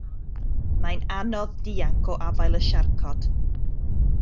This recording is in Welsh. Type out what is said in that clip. Mae'n anodd dianc o afael y siarcod.